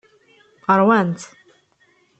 Ṛwant.